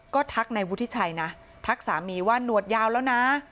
ก็ทักนายวุฒิชัยนะทักสามีว่าหนวดยาวแล้วนะ